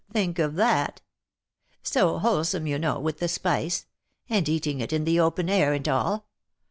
Think of that ! So wholesome, you know, with the spice ; and eating it in the open air, and all.